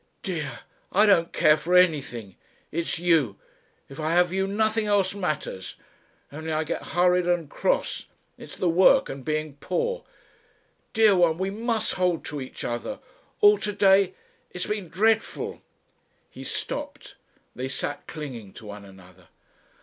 Dear! I don't care for anything It's you. If I have you nothing else matters ... Only I get hurried and cross. It's the work and being poor. Dear one, we must hold to each other. All to day It's been dreadful...." He stopped. They sat clinging to one another.